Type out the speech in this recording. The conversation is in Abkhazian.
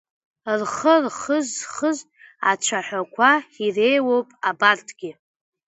Рхы рхызхыз ацәаҳәақәа иреиуоуп абарҭгьы…